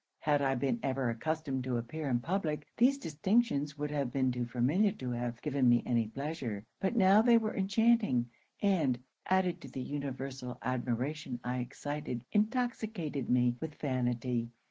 Had I been ever accustomed to appear in public, these distinctions would have been too familiar to have given me any pleasure; but now they were enchanting; and, added to the universal admiration I excited, intoxicated me with vanity.